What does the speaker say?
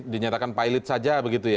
dinyatakan pilot saja begitu ya